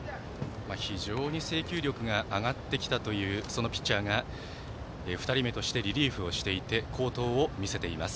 非常に制球力が上がってきたというそのピッチャーが２人目としてリリーフをしていて好投を見せています。